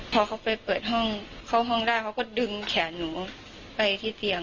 พอเขาไปเปิดห้องเข้าห้องได้เขาก็ดึงแขนหนูไปที่เตียง